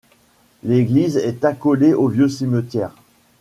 L'église est accolée au vieux cimetière.